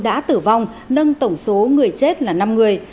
đã tử vong nâng tổng số người chết là năm người